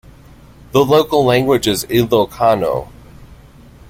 The local language is Ilocano.